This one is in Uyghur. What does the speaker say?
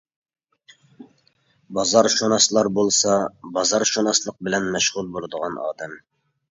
بازارشۇناسلار بولسا بازارشۇناسلىق بىلەن مەشغۇل بولىدىغان ئادەم.